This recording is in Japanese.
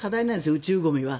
宇宙ゴミは。